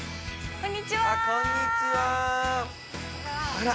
こんにちはあら